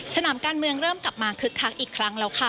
สนามการเมืองเริ่มกลับมาคึกคักอีกครั้งแล้วค่ะ